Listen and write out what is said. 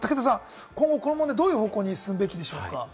武田さん、今後どういう方向に進むべきでしょうか？